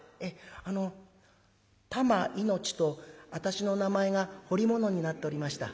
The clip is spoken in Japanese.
「あの『たま命』と私の名前が彫り物になっておりました」。